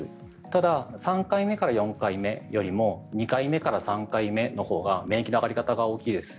ただ、３回目から４回目よりも２回目から３回目のほうが免疫の上がり方が大きいです。